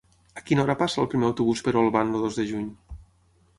A quina hora passa el primer autobús per Olvan el dos de juny?